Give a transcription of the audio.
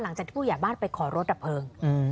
หลังจากที่ผู้ใหญ่บ้านไปขอรถดับเพลิง